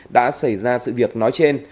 đã xảy ra sự việc nói trên